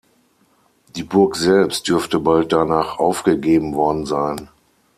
Die Burg selbst dürfte bald danach aufgegeben worden sein.